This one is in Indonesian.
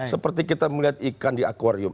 seperti kita melihat ikan di aquarium